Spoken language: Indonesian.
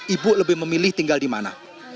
ibu lebih memilih tinggal di mana